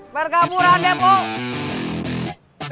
berkaburan ya pok